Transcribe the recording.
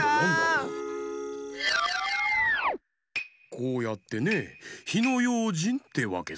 こうやってね「ひのようじん」ってわけさ。